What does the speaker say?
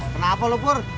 kenapa lo pur